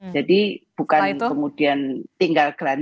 jadi bukan kemudian tinggal gelandang gitu mbak tapi tetap dibantu